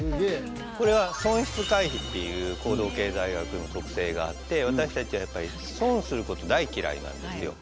これは損失回避っていう行動経済学の特性があって私たちはやっぱり損すること大嫌いなんですよ。